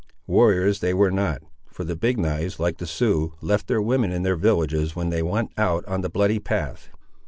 Warriors they were not, for the Big knives, like the Siouxes, left their women in their villages when they went out on the bloody path.